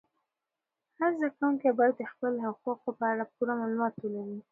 هر زده کوونکی باید د خپلو حقوقو په اړه پوره معلومات ولري.